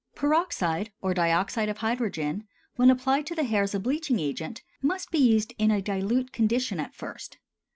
Peroxide or dioxide of hydrogen, when applied to the hair as a bleaching agent, must be used in a dilute condition at first.